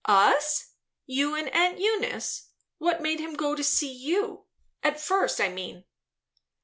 "Us? You and aunt Eunice? What made him go to see you? at first, I mean."